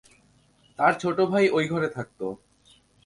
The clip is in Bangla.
তার ছোট ভাই, ওই ঘরে থাকতো।